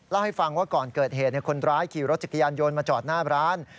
เล่าให้ฟังว่าก่อนเกิดเหตุคนร้ายขี่รถจักรยานยนต์มาจอดหน้าร้าน